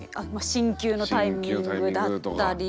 進級のタイミングだったり。